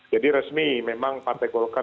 jadi resmi memang partai golkar